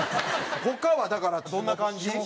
他はだからどんな感じ？